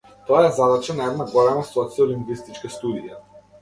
Тоа е задача на една голема социолингвистичка студија.